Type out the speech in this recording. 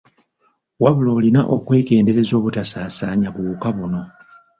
Wabula olina okwegendereza obutasaasaanya buwuka buno.